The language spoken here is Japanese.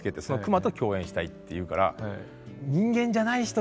その熊と共演したいっていうから人間じゃない。